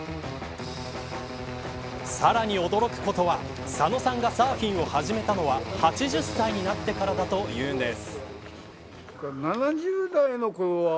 さらに驚くことは佐野さんがサーフィンを始めたのは８０歳になってからだというんです。